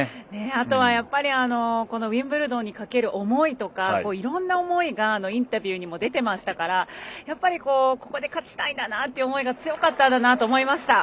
あとはウィンブルドンにかける思いとかいろんな思いがインタビューに出てましたから、やっぱりここで勝ちたいんだなという思いが強かったんだなと思いました。